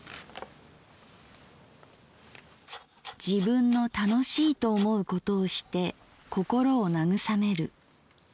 「自分の楽しいと思うことをして心を慰める。